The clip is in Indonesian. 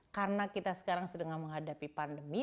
karena kita sekarang sedang menghadapi pandemi